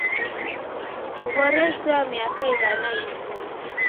Ghorezoya miaka ighana iidie.